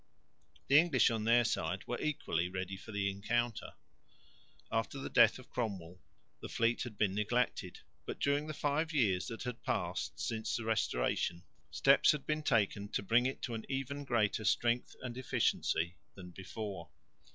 The English on their side were equally ready for the encounter. After the death of Cromwell the fleet had been neglected, but during the five years that had passed since the Restoration steps had been taken to bring it to an even greater strength and efficiency than before.